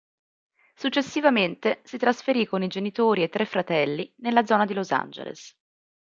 Successivamente si trasferì con i genitori e tre fratelli nella zona di Los Angeles.